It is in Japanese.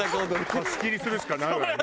貸し切りするしかないわよね。